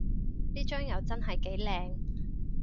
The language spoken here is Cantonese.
呢張又真係幾靚